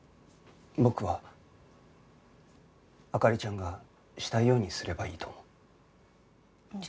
僕は灯ちゃんがしたいようにすればいいと思う。